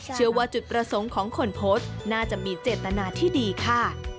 เชื่อว่าจุดประสงค์ของคนโพสต์น่าจะมีเจตนาที่ดีค่ะ